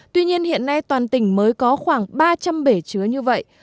tuy nhiên hiện nay toàn tỉnh mới có khoảng ba trăm linh bể chứa như vậy